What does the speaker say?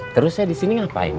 terus saya di sini ngapain